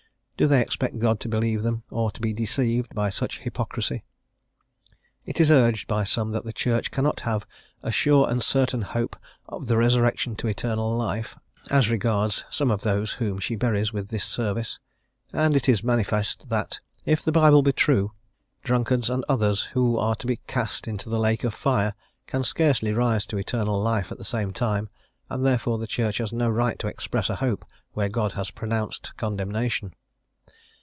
Do they expect God to believe them, or to be deceived by such hypocrisy? It is urged by some that the Church cannot have a "sure and certain hope of the Resurrection to eternal life" as regards some of those whom she buries with this service; and it is manifest that, if the Bible be true, drunkards and others who are to be cast into the lake of fire, can scarcely rise to eternal life at the same time, and therefore the Church has no right to express a hope where God has pronounced condemnation.